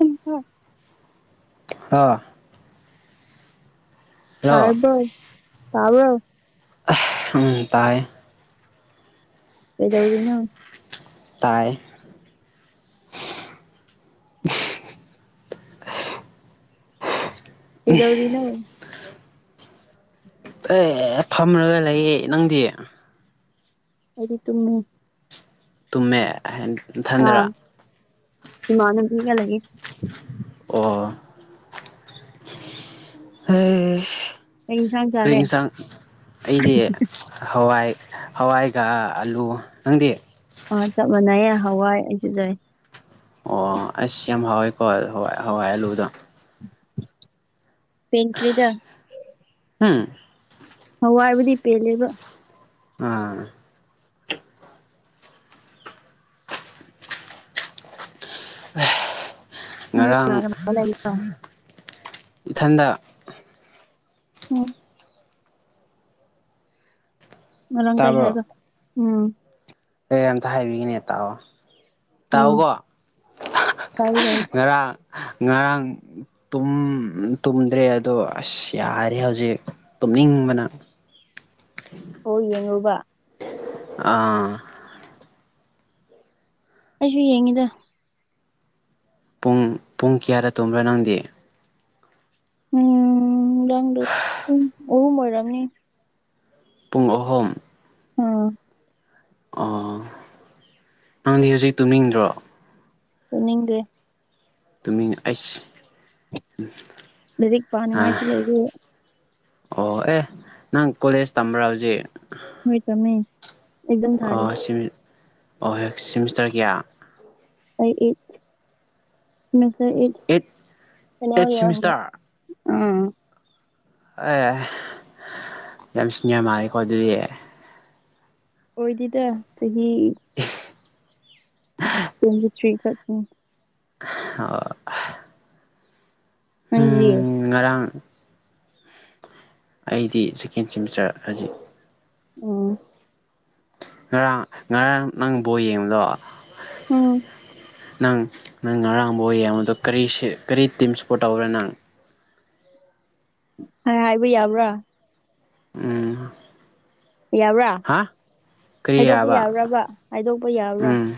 ꯎ ꯑꯥ ꯍꯜꯂꯣ ꯁꯥꯥꯏꯕ ꯁꯥꯕ ꯇꯥꯏ ꯀꯩꯗꯧꯔꯤ ꯅ ꯇꯥꯏ ꯍꯗꯧꯔꯤꯅ ꯑꯦ ꯐꯝꯔꯒ ꯂꯩꯌꯦ ꯅꯪꯗꯤ ꯍꯥꯏꯗꯤ ꯇꯨꯝꯃꯦ ꯇꯨꯝꯃꯦ ꯍꯥꯏ ꯏꯟꯊꯟꯗꯔ ꯏꯃꯥꯟꯅ ꯊꯒ ꯂꯩꯒꯦ ꯑꯣ ꯑꯦ ꯀꯩ ꯏꯟꯁꯥꯡ ꯆꯥꯔꯦ ꯀꯔꯤꯁꯥꯡ ꯑꯩꯗꯤ ꯍꯋꯥꯏ ꯍꯋꯥꯏꯒ ꯑꯂꯨ ꯅꯪꯗꯤ ꯑ ꯆꯞ ꯃꯥꯟꯅꯩꯑꯦ ꯍꯋꯥꯏ ꯑꯩꯁꯨꯖꯩ ꯑꯣ ꯑꯁ ꯌꯥꯝ ꯍꯥꯎꯋꯦꯀꯣ ꯍꯏ ꯍꯋꯥꯏ ꯑꯂꯨꯗꯣ ꯄꯦꯟ ꯀꯔꯤꯗ ꯎꯝ ꯍꯋꯥꯏꯕꯨꯗꯤ ꯄꯦꯜꯂꯦꯕ ꯎꯝ ꯅꯪꯗꯤ ꯉꯔꯥꯡ ꯀꯅꯥ ꯀꯅꯥ ꯂꯩꯔꯤꯅꯣ ꯏꯊꯟꯗ ꯎꯝ ꯃꯔꯪ ꯀꯩ ꯇꯥꯕ꯭ꯔꯣ ꯍꯥꯏꯕ ꯎꯝ ꯑꯦ ꯑꯝꯇ ꯍꯥꯏꯕꯤꯒꯤꯅꯦꯇꯥꯛꯑꯣ ꯎꯝ ꯇꯥꯛꯑꯣꯀꯣ ꯇꯥꯏ ꯇꯥꯏ ꯉꯔꯥꯡ ꯉꯔꯥꯡ ꯇꯨꯝꯗ꯭ꯔꯦ ꯑꯗꯣ ꯑꯁ ꯌꯥꯔꯦ ꯍꯧꯖꯤꯛ ꯇꯨꯝꯅꯤꯡꯕꯅ ꯍ ꯌꯦꯡꯉꯨꯕ ꯑꯥ ꯑꯩꯁꯨ ꯌꯦꯡꯉꯤꯗ ꯄꯨꯡ ꯄꯨꯡ ꯀꯌꯥꯗ ꯇꯨꯝꯕ꯭ꯔꯥ ꯅꯪꯗꯤ ꯎꯝ ꯗꯪꯗ ꯎ ꯎ ꯑꯣꯏꯔꯝꯅꯤ ꯄꯨꯡ ꯑꯍꯨꯝ ꯎꯝ ꯑꯣ ꯅꯪꯗꯤ ꯍꯧꯖꯤꯛ ꯇꯨꯝꯅꯤꯡꯗ꯭ꯔꯣ ꯅꯤꯡꯦ ꯇꯃꯤ ꯑꯁ ꯂꯥꯏꯔꯤꯛ ꯄꯥꯅꯤꯡꯉꯥꯏꯁꯨ ꯂꯩꯔꯤ ꯑꯣ ꯑꯦ ꯅꯪ ꯀꯣꯂꯦꯖ ꯇꯝꯕ꯭ꯔꯥ ꯍꯧꯖꯤꯛ ꯍꯣꯏ ꯇꯃꯦ ꯑꯣ ꯑꯣ ꯍꯣꯏ ꯁꯤꯃꯤꯁꯇꯔ ꯀꯌꯥ ꯠꯁꯔꯠ ꯑꯩꯠ ꯀꯩꯅ ꯑꯩꯠ ꯌꯥ ꯍ ꯁꯤꯃꯤꯁꯇꯔ ꯑꯥ ꯑꯦ ꯌꯥꯝ ꯁꯤꯅꯤꯔ ꯃꯥꯜꯂꯦꯀꯣ ꯑꯗꯨꯗꯤ ꯑꯣꯏꯗꯤꯗ ꯆꯍꯤ ꯇꯋꯦꯟꯇꯤꯊꯔꯤ ꯆꯪꯉꯦ ꯑ ꯅꯪꯗꯤ ꯎꯝ ꯉꯔꯥꯡ ꯑꯩꯗꯤ ꯁꯦꯀꯦꯟ ꯁꯦꯃꯤꯁꯇꯔ ꯍꯧꯖꯤꯛ ꯎꯝ ꯉꯔꯥꯡ ꯉꯔꯥꯡ ꯅꯪ ꯕꯣ ꯌꯦꯡꯕꯗꯣ ꯎꯝ ꯅꯪ ꯅꯪ ꯉꯔꯥꯡꯕ ꯑꯣꯏꯌꯦ ꯃꯗꯣ ꯀꯔꯤ ꯀꯔꯤ ꯇꯤꯝ ꯁꯞꯄꯣꯔꯠ ꯇꯧꯔꯦ ꯅꯪ ꯍꯥꯏ ꯍꯥꯏꯕ ꯌꯥꯕ꯭ꯔꯥ ꯎꯝ ꯌꯥꯕ꯭ꯔꯥ ꯍꯥ ꯀꯔꯤ ꯍꯥꯏꯗꯣꯛꯄ ꯍꯥꯏꯕ ꯌꯥꯕ꯭ꯔꯕ ꯍꯥꯏꯗꯣꯛꯄ ꯌꯥꯕ꯭ꯔꯥ ꯎꯝ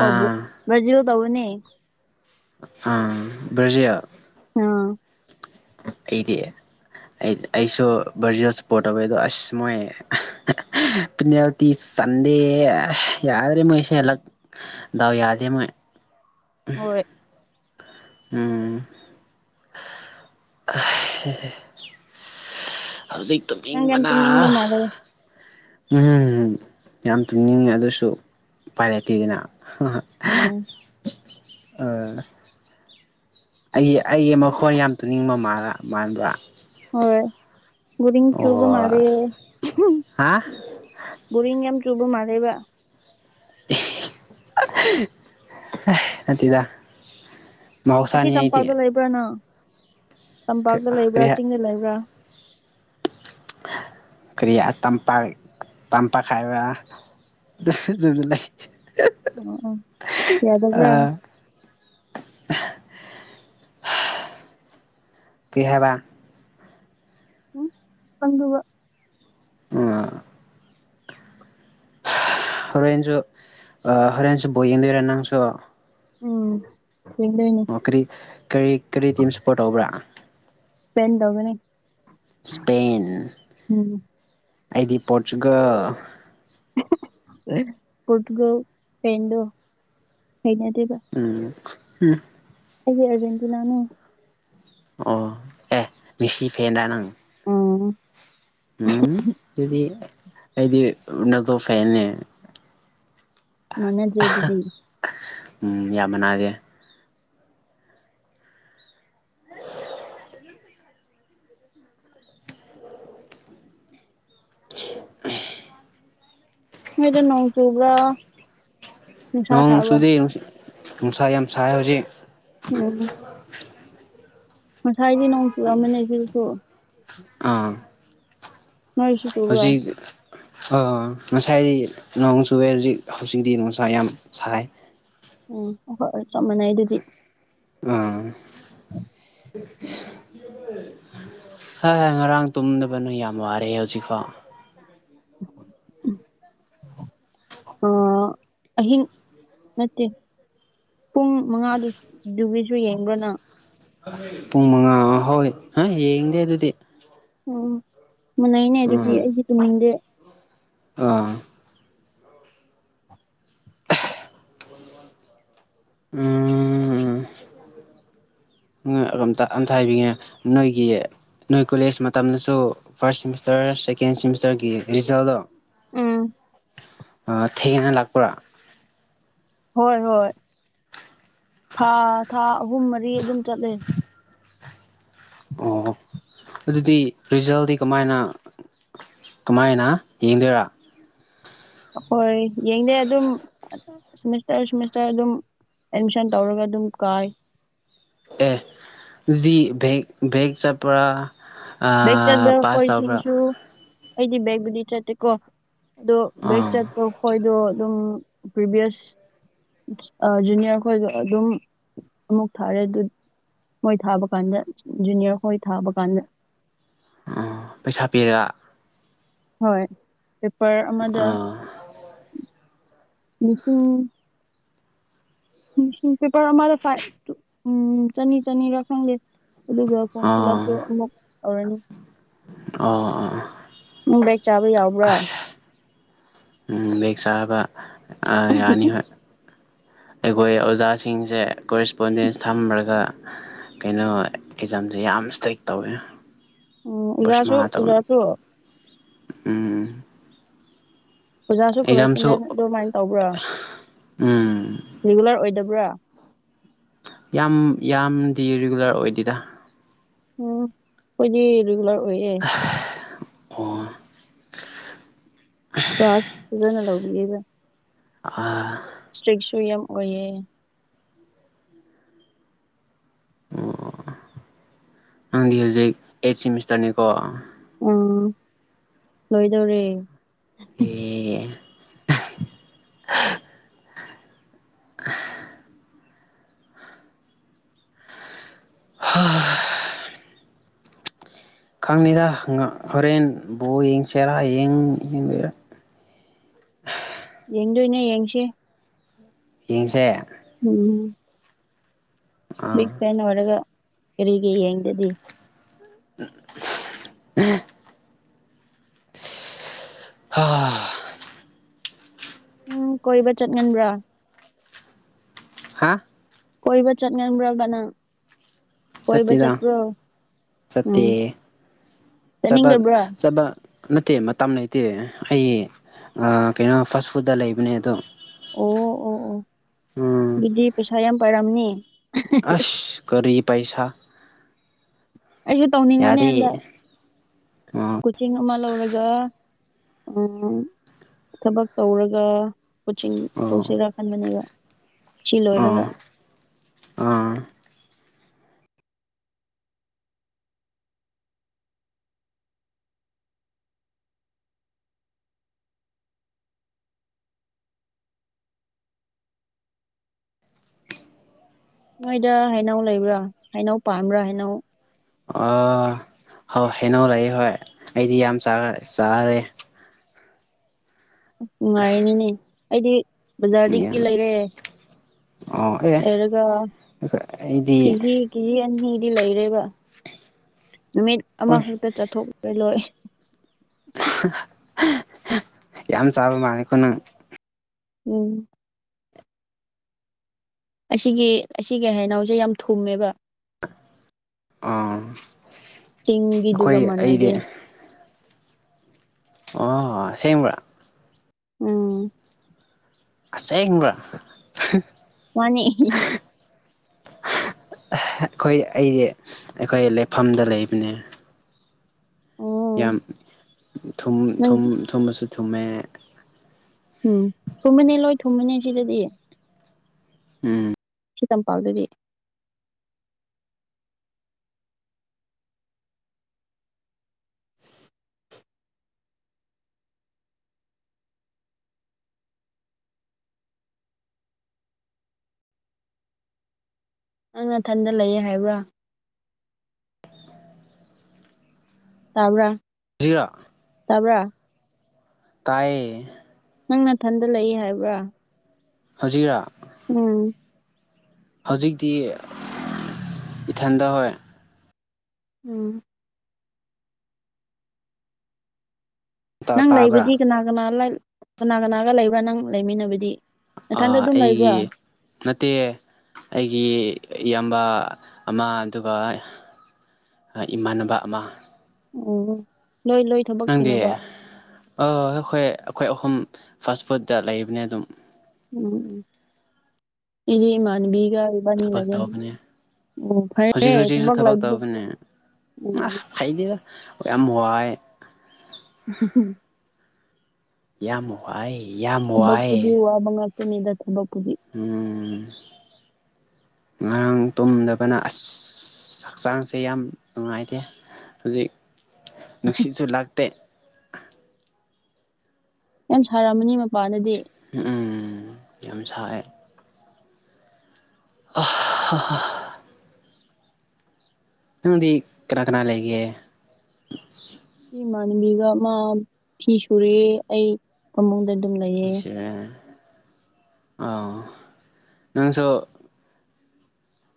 ꯑꯣꯕ꯭ꯔꯣ ꯕꯔꯖꯤꯔꯣ ꯇꯧꯕꯅꯦ ꯑ ꯕ꯭ꯔꯖꯌꯥ ꯑꯥ ꯑꯩꯗꯤ ꯑꯩ ꯑꯩꯁꯨ ꯚꯔꯖꯤꯜ ꯁꯄꯣꯔꯠ ꯇꯧꯋꯦ ꯑꯗꯣ ꯑꯁ ꯃꯣꯏ ꯄꯤꯟꯦꯜꯇꯤ ꯆꯟꯗꯦ ꯌꯥꯗ꯭ꯔꯦ ꯃꯩꯁꯂ ꯗꯎ ꯌꯥꯗꯦ ꯑꫭꯏ ꯍꯣꯏ ꯎꯝ ꯍꯧꯖꯤꯛ ꯅꯪ ꯌꯥꯝ ꯇꯨꯃꯤꯅꯤꯡꯕꯅꯥ ꯇꯨꯝꯅꯤꯡꯕ ꯃꯥꯜꯂꯦ ꯎꯝ ꯌꯥꯝ ꯇꯨꯡꯅꯤꯡꯉꯦ ꯑꯗꯨꯁꯨ ꯄꯥꯏꯔꯛꯇꯦꯗꯅ ꯑꯣ ꯑꯦ ꯑꯩꯒꯤ ꯑꯩꯒꯤ ꯃꯈꯣꯟ ꯌꯥꯝ ꯇꯨꯅꯤꯡꯕ ꯃꯥ ꯃꯥꯟꯕ꯭ꯔꯥ ꯍꯨꯨꯔꯤ ꯑꯣ ꯆꯨꯕ ꯃꯜꯂꯦ ꯍꯥ ꯕꯨꯔꯤꯡ ꯌꯥꯝ ꯆꯨꯕ ꯃꯜꯂꯦꯕ ꯅꯠꯇꯦꯗ ꯑꯁꯤ ꯃꯍꯧꯁꯥꯅꯤ ꯑꯩꯗꯤ ꯇꯝꯄꯥꯛꯇ ꯂꯩꯕ꯭ꯔꯥꯅꯪ ꯇꯝꯄꯥꯛꯇ ꯀꯔꯤ ꯂꯩꯕ꯭ꯔꯥ ꯆꯤꯡꯗ ꯂꯩꯕ꯭ꯔꯥ ꯀꯔꯤ ꯇꯝꯄꯥꯛ ꯇꯝꯄꯥꯛꯈꯥꯏꯕ ꯑꯗꯨ ꯂꯩ ꯑꯣ ꯎ ꯌꯥꯎꯗꯒ꯭ꯔ ꯀꯔꯤ ꯍꯥꯏꯕ ꯑꯗꯨꯒ [unintelligible] ꯍꯣꯔꯦꯟꯁꯨ ꯍꯣꯔꯦꯟꯁꯨ ꯕꯣ ꯌꯦꯡꯗꯣꯏꯔꯥ ꯅꯪꯁꯨ ꯎꯝ ꯌꯦꯡꯗꫭꯏꯅꯤ ꯀꯔꯤ ꯀꯔꯤ ꯀꯔꯤ ꯇꯤꯝ ꯁꯞꯄꯣꯔꯠ ꯇꯧꯕ꯭ꯔꯥ ꯄꯦꯟ ꯇꯧꯒꯅꯤ ꯏꯁꯄꯦꯟ ꯎꯝ ꯑꯩꯗꯤ ꯄꯣꯔꯆꯨꯒꯜ ꯄꯣꯔꯇꯨꯒꯜ ꯐꯦꯟꯗꯣ ꯍꯩꯅꯗꯦꯕ ꯎꯝ ꯎꯝ ꯑꯩꯗꯤ ꯑꯔꯖꯦꯟꯇꯤꯅꯥꯅꯦ ꯑꯣ ꯑꯦ ꯃꯤꯁꯤ ꯐꯦꯟꯔ ꯅꯪ ꯎꯝ ꯎꯝ ꯗꯨꯗꯤ ꯑꯩꯗꯤ ꯔꫭꯅꯥꯜꯗꫭ ꯐꯦꯟꯅꯦ ꯃꯥꯟꯅꯗ꯭ꯔꯦ ꯗꯨꯗꯤ ꯎꯝ ꯌꯥꯝ ꯃꯅꯥꯒꯦ [unintelligible] ꯅꫭꯏꯗ ꯅꯣꯡ ꯆꯨꯕ꯭ꯔꫭ ꯅꯣꯡ ꯆꯨꯗꯤ ꯅꯨꯡꯁꯥ ꯌꯥꯝ ꯁꯥꯏ ꯍꯧꯖꯤꯛ ꯎꯝ ꯉꯁꯥꯏꯗꯤ ꯅꯣꯡ ꯆꯨꯔꯃꯅꯦ ꯑꯩꯈꫭꯏꯁꯨ ꯑꯥ ꯅꯣꯏꯁꯨ ꯆꯨꯕ꯭ꯔꯥ ꯍꯧꯖꯤꯛ ꯑ ꯉꯁꯥꯏꯗꯤ ꯅꯣꯡ ꯆꯨꯨꯔꯦ ꯍꯧꯖꯤꯛ ꯍꯧꯖꯤꯛꯇꯤ ꯅꯨꯡꯁꯥ ꯌꯥꯝ ꯁꯥꯏ ꯎꯝ ꯑꯈꯥꯏꯒ ꯆꯞ ꯃꯥꯟꯅꯩ ꯑꯗꯨꯗꯤ [unintelligible] ꯍ ꯉꯔꯥꯡ ꯇꯨꯝꯗꯕꯅ ꯌꯥꯝ ꯋꯥꯔꯦꯑꯦ ꯍꯧꯖꯤꯛꯐꯥꯎ [unintelligible] ꯑ ꯅꯠꯇꯦ ꯄꯨꯡ ꯃꯉꯥꯗꯨꯗꯨꯒꯤꯁꯨ ꯌꯦꯡꯕ꯭ꯔꯣꯅ ꯄꯨꯡ ꯃꯉꯥ ꯍꯧꯋꯏ ꯍꯥ ꯌꯦꯡꯗꯦ ꯑꯗꯨꯗꯤ ꯎꯝ ꯃꯅꯅꯦ ꯑꯗꯨꯗꯤ ꯎꯝ ꯑꯩꯗꯤ ꯇꯨꯝꯅꯤꯡꯗꯦ [unintelligible] [unintelligible] [inaudible] ꯣꯝꯇ ꯑꯝꯇ ꯍꯥꯏꯕꯤꯉꯦ ꯅꯣꯏꯒꯤ ꯅꯣꯏ ꯀꯣꯂꯦꯖ ꯃꯇꯝꯗꯁꯨ ꯐꯥꯔꯁ ꯁꯤꯦꯃꯤꯁꯇꯔ ꯁꯦꯀꯦꯟ ꯁꯤꯦꯃꯤꯁꯇꯔꯒꯤ ꯔꯤꯖꯜꯗꯣ ꯎꯝ ꯊꯦꯡꯒꯅ ꯂꯥꯛꯄꯔꯥ ꯍꯣꯏ ꯍꯣꯏ ꯊꯥ ꯊꯥ ꯑꯍꯨꯝ ꯃꯔꯤ ꯑꯗꯨꯝ ꯆꯠꯂꯦ ꯑꯣ ꯑꯗꯨꯗꯤ ꯔꯤꯖꯜꯗꯤ ꯀꯃꯥꯏꯅ ꯀꯃꯥꯏꯅ ꯌꯦꯡꯗꯣꯏꯔꯥ ꯍꯣꯏ ꯌꯦꯡꯗꯦ ꯑꯗꯨꯝꯦꯃꯤꯁꯇꯔ ꯁꯃꯤꯁꯇꯔ ꯑꯗꯨꯝ ꯑꯦꯠꯃꯤꯁꯟ ꯇꯧꯔꯒ ꯑꯗꯨꯝ ꯀꯥꯏ ꯑꯦ ꯑꯗꯨꯗꯤ ꯦꯒ ꯦꯒ ꯆꯥꯄ ꯕꯦꯛ ꯆꯠꯄ ꯑꯩꯣꯏꯁꯤꯡꯁꯨ ꯑꯩꯗꯤ ꯕꯒꯕꯨꯗꯤ ꯆꯠꯇꯦꯀꯣ ꯑꯗꯣ ꯕꯒ ꯑꯥ ꯆ ꯇꯈꯣꯏꯗꯣ ꯑꯗꯨꯝ ꯄ꯭ꯔꯤꯚꯌꯁ ꯖꯨꯅꯤꯌꯔꯈꯣꯏꯗꯣ ꯑꯗꯨꯝ ꯑꯃꯨꯛ ꯊꯥꯔꯦ ꯑꯗꯨ ꯍꯣꯏ ꯊꯥꯕ ꯀꯥꯟꯗ ꯖꯨꯅꯤꯌꯔ ꯍꯣꯏ ꯊꯥꯕ ꯀꯥꯟꯗ ꯑꯣ ꯄꯩꯁꯥ ꯄꯤꯔꯒ ꯍꯣꯏ ꯄꯦꯄꯔ ꯑꯃꯗ ꯑꯥ ꯂꯤꯁꯤꯡ ꯎꯝ ꯄꯦꯄꯔ ꯑꯃꯗ ꯐꯥꯏꯚ ꯇ ꯎꯝ ꯆꯅꯤ ꯆꯅꯤꯔꯥ ꯈꯪꯗꯦ ꯑꯗꯨꯒ ꯐꯣꯝ ꯐꯤꯜꯞ ꯑꯥ ꯑꯃꯨꯛ ꯑꯣꯏꯧꯔꯅꯤ ꯑꯣ ꯑꯣ ꯎꯝ ꯕꯦꯛ ꯆꯥꯕ ꯌꯥꯎꯕ꯭ꯔꯥ ꯑꯁ ꯕꯦꯛ ꯆꯥꯕ ꯑ ꯌꯥꯅꯤ ꯍꯣꯏ ꯑꯩꯈꯣꯏ ꯑꯣꯖꯥꯁꯤꯡꯁꯦ ꯀꯣꯔꯦꯁꯄꯣꯟꯗꯦꯟꯁ ꯊꯝꯃꯔꯒ ꯀꯩꯅꯣ ꯑꯦꯛꯖꯥꯝꯁꯦ ꯌꯥꯝ ꯏꯁꯇ꯭ꯔꯤꯛ ꯇꯧꯋꯦ ꯎꯝ ꯑꯣꯖꯥꯁꯨ ꯑꯣꯖꯥꯁꯨ [unintelligible] ꯎꯝ ꯑꯣꯖꯥꯁꯨ ꯑꯦꯛꯖꯥꯝꯁꯨ ꯀꯣꯔꯣꯁꯄꯣꯗꯦꯟ ꯑꯗꯨꯃꯥꯏꯅ ꯇꯧꯕ꯭ꯔꯥ ꯎꯝ ꯔꯤꯒꯨꯂꯔ ꯑꯣꯏꯗꯕ꯭ꯔꯥ ꯌꯥꯝ ꯌꯥꯝꯗꯤ ꯔꯤꯒꯨꯂꯔ ꯑꯣꯏꯗꯦꯗ ꯎꯝ ꯈꯣꯏꯗꯤ ꯔꯤꯒꯨꯂꯔ ꯑꯣꯏꯌꯦ ꯑꯣ ꯀ꯭ꯥꯂꯁ ꯐꯖꯅ ꯂꯧꯕꯤꯌꯦꯕ ꯑ ꯏꯁꯇ꯭ꯔꯤꯛꯁꯨ ꯌꯥꯝ ꯑꯣꯏꯌꯦꯦ ꯑꯣ ꯅꯪꯗꯤ ꯍꯧꯖꯤꯛ ꯑꯩꯠ ꯁꯤꯃꯤꯁꯇꯔꯅꯤꯀꯣ ꯎꯝ ꯂꯣꯏꯗꯧꯔꯦ [unintelligible] [inaudible] [unintelligible] ꯍ ꯈꯪꯅꯤꯗ ꯍꯣꯔꯦꯟ ꯕꯣ ꯌꯦꯡꯁꯦꯔꯥ ꯌꯦꯡ ꯌꯦꯡꯗꯣꯏꯔꯥ ꯌꯦꯡꯗꯣꯏꯅꯦ ꯌꯦꯡꯁꯤ ꯌꯦꯡꯁꯦ ꯎꯝ ꯑꯥ ꯕꯤꯛ ꯐꯦꯟ ꯑꯣꯏꯔꯒ ꯀꯔꯤꯒꯤ ꯌꯦꯡꯗꯗꯤ [unintelligible] ꯑ [unintelligible] [inaudible] ꯎꯝ ꯀꯣꯏꯕ ꯆꯠꯒꯟꯕ꯭ꯔꯥ ꯍꯥ ꯀꯣꯏꯕ ꯆꯠ ꯉꯟꯕ꯭ꯔꯕꯅ ꯀꯣꯏ ꯆꯠꯇꯦꯗ ꯆꯠ ꯄꯔꯣ ꯎꯝ ꯆꯕ ꯆꯠꯅꯤꯡꯗꯕ꯭ꯔꯥ ꯆꯠꯄ ꯅꯠꯇꯦ ꯃꯇꯝ ꯂꯩꯇꯦ ꯑꯩ ꯀꯩꯅꯣ ꯐꯥꯁ ꯐꯨꯗꯠꯇ ꯂꯩꯕꯅꯦ ꯑꯗꯣ ꯑꯣ ꯑꯣ ꯑꯣ ꯎꯝ ꯑꯗꯨꯗꯤ ꯄꯩꯁꯥ ꯌꯥꯝ ꯄꯥꯏꯔꯝꯅꯤ ꯑꯁ ꯀꯔꯤ ꯄꯩꯁꯥ ꯑꯩꯁꯨ ꯇꯧꯅꯤꯡꯕꯅꯦ ꯌꯥꯗꯦ ꯍꯟꯗ ꯑꯣ ꯀꯣꯆꯤꯡ ꯑꯃ ꯂꯧꯔꯒ ꯎ ꯊꯕꯛ ꯇꯧꯔꯒ ꯀꯣꯆꯤꯡ ꯑꯣ ꯇꯧꯁꯤꯔꯥ ꯈꯟꯕꯅꯦꯕ ꯁꯤ ꯑꯣ ꯂꯣꯏꯔꯒ ꯑꯥ ꯅꯣꯏꯗ ꯍꯩꯅꯧ ꯂꯩꯕ꯭ꯔꯥ ꯍꯩꯅꯧ ꯄꯥꯟꯕ꯭ꯔꯥ ꯍꯩꯅꯧ ꯑꯣ ꯍꯣꯏ ꯍꯩꯅꯧ ꯂꯩꯌꯦ ꯍꯣꯏ ꯑꯩꯗꯤ ꯌꯥꯝ ꯆꯈ ꯆꯥꯔꯦ ꯅꯨꯡꯉꯥꯏꯔꯤꯅꯤꯅꯦ ꯑꯩꯗꯤ ꯕꯖꯥꯔꯗꯒꯤ ꯂꯩꯔꯦ ꯑꯣ ꯑꯦ ꯑꯔꯒ ꯑꯩꯗꯤ ꯆꯤꯡꯍꯤ ꯀꯦꯖꯤ ꯑꯅꯤꯗꯤ ꯂꯩꯔꯦꯕ ꯅꯨꯃꯤꯠ ꯍꯣꯏ ꯑꯃꯈꯛꯇ ꯆꯠꯊꯣꯛꯂ ꯂꯣꯏ [unintelligible] ꯌꯥꯝ ꯆꯥꯕ ꯃꯥꯅꯤꯀꯣ ꯅꯪ ꯎꯝ ꯑꯁꯤꯒꯤ ꯑꯁꯤꯒꯤ ꯍꯩꯅꯥꯎꯁꯦ ꯌꯥꯝ ꯊꯨꯝꯃꯦꯕ ꯑꯥ ꯆꯤꯡꯒꯤꯗꯨꯒ ꯑꯩꯈꯣꯏ ꯑꯩꯗꯤ ꯃꯥꯟꯅꯗꯦ ꯑꯣ ꯑꯁꯦꯡꯕ꯭ꯔꯥ ꯎꯝ ꯑꯁꯦꯡꯕ꯭ꯔꯥ ꯃꯅꯤ ꯑꯩꯈꯣꯏ ꯑꯩꯗꯤ ꯑꯩꯈꯣꯏ ꯂꯩꯐꯝꯗ ꯂꯩꯕꯅꯦ ꯑꯣ ꯌꯥꯝ ꯊꯨꯝ ꯅꯪ ꯊꯨꯝ ꯊꯨꯝꯕꯁꯨ ꯊꯨꯝꯃꯦ ꯎꯝ ꯊꯨꯝꯃꯅꯦ ꯂꯣꯏ ꯊꯨꯝꯃꯅꯦ ꯁꯤꯗꯗꯤ ꯎꯝ ꯆꯤꯇꯝ ꯄꯜꯗꯕꯤ [unintelligible] ꯅꯪ ꯃꯊꯟꯗ ꯂꯩꯌꯦ ꯍꯥꯏꯕ꯭ꯔꯥ ꯇꯥꯕ꯭ꯔꯥ ꯖꯤꯔꯥ ꯇꯥꯕ꯭ꯔꯥ ꯇꯥꯏꯌꯦ ꯅꯪ ꯅꯥꯊꯟꯗ ꯂꯩꯏ ꯍꯥꯏꯕ꯭ꯔꯥ ꯍꯧꯖꯤꯔꯥ ꯎꯝ ꯍꯧꯖꯤꯛꯇꯤ ꯏꯊꯟꯗ ꯍꯣꯏ ꯎꯝ ꯇꯥ ꯅꯪ ꯇꯥꯕ꯭ꯔꯥ ꯂꯩꯕꯗꯤ ꯀꯅꯥ ꯀꯅꯥ ꯀꯅꯥ ꯀꯅꯥꯒ ꯂꯩꯕ꯭ꯔꯥ ꯅꯪ ꯂꯩꯃꯤꯟꯅꯕꯗꯤ ꯊꯥꯟꯗ ꯑꯥ ꯑꯗꯨꯝ ꯂꯩꯕ ꯑꯩꯒꯤ ꯅꯠꯇꯦ ꯑꯩꯒꯤ ꯏꯌꯥꯝꯕ ꯑꯃ ꯑꯗꯨꯒ ꯏꯃꯥꯟꯅꯕ ꯑꯃ ꯑꯣ ꯂꯣꯏ ꯂꯣꯏ ꯊꯕꯛ ꯅꯪꯗꯤ ꯑ ꯁꯨꯅꯕ ꯑꯩꯈꯣꯏ ꯑꯩꯈꯣꯏ ꯑꯍꯨꯝ ꯐꯥꯁ ꯐꯨꯗꯠꯇ ꯂꯩꯕꯅꯦ ꯑꯗꯨꯝ ꯎꯝ ꯏꯗꯤ ꯃꯅꯕꯤꯒ ꯅꯤ ꯊꯕꯛ ꯂꯩꯦ ꯇꯧꯕꯅꯦ ꯎꯝ ꯍꯧꯖꯤꯛ ꯐꯔꯦꯦ ꯍꯧꯖꯤꯛꯁꯨ ꯑꯗꯨꯨꯝꯃꯛ ꯂꯩꯕꯗꯣ ꯎꯝ ꯍꯩꯅꯤꯦꯗ ꯌꯥꯝꯅꯨꯡ ꯋꯥꯏ ꯍꯝ ꯍꯝ ꯌꯥꯝ ꯋꯥꯏ ꯌꯥꯝ ꯋꯥꯏ ꯅꯤꯗ ꯊꯝꯕ ꯄꯨꯗꯤ ꯉꯔꯥꯡ ꯇꯨꯝꯗꯕꯅ ꯑꯁ ꯍꯛꯆꯥꯡꯁꯦ ꯌꯥꯝ ꯅꯨꯡꯉꯥꯏꯇꯦ ꯍꯧꯖꯤꯛ ꯅꯨꯡꯁꯤꯠꯁꯨ ꯂꯥꯛꯇꯦ ꯌꯥꯝ ꯁꯥꯔꯝꯃꯅꯤ ꯃꯄꯥꯟꯗꯗꯤ ꯎꯝ ꯎꯝ ꯌꯥꯝ ꯁꯥꯏꯦ ꯑ ꯅꯪꯗꯤ ꯀꯅꯥ ꯀꯅꯥ ꯂꯩꯒꯦ ꯑ ꯏ ꯃꯅꯕꯤꯒ ꯃꯥ ꯐꯤ ꯁꯨꯔꯦ ꯑꯩ ꯐꯃꯨꯡꯗ ꯑꯗꯨꯝ ꯂꯩ ꯁ ꯑꯥꯎ ꯅꯪꯁꯨ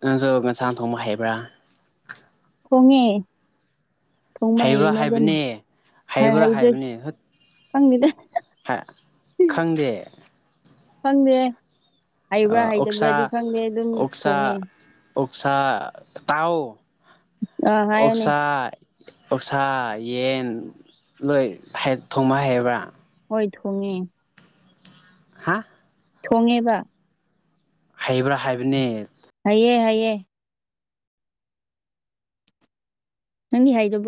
ꯅꯪꯖ ꯉꯟꯁꯥꯡ ꯊꯣꯡꯕ ꯍꯥꯏꯕ꯭ꯔꯥ ꯈꯃꯤꯦ ꯊꯣꯡꯕ ꯍꯩꯕ꯭ꯔꯥ ꯍꯩꯌꯦꯅꯦ ꯑꯗꯨꯝ ꯍꯥꯏꯕꯅꯦ ꯍꯩꯕ꯭ꯔꯥ ꯍꯩꯗ꯭ꯔꯣꯏ ꯍꯥꯏꯕꯅꯤ ꯈꯪꯅꯤꯗ ꯈꯪꯗꯦ ꯈꯪꯗꯦ ꯍꯩꯕ꯭ꯔꯥ ꯍꯩꯇꯕ꯭ꯔꯥꯗꯤ ꯑꯣꯛꯁꯥ ꯈꯪꯗꯦ ꯑꯗꯨꯝ ꯊꯣꯡꯉꯦ ꯑꯣꯛꯁꯥ ꯑꯣꯛꯁꯥ ꯇꯥꯎ ꯑꯥ ꯍꯥꯏꯌꯣꯅꯦ ꯑꯣꯛꯁꯥ ꯑꯣꯧꯁꯥ ꯌꯦꯟ ꯂꯣꯏ ꯊꯣꯡꯕ ꯍꯥꯏꯩꯕ꯭ꯔꯥ ꯍꯣꯏ ꯊꯣꯡꯉꯦ ꯍꯥ ꯊꯣꯡꯉꯦꯕ ꯍꯩꯕ꯭ꯔꯥ ꯍꯥꯏꯕꯅꯤ ꯍꯩꯌꯦ ꯍꯩꯌꯦ ꯅꯪꯒꯤ ꯍꯩꯗꯨꯕꯨ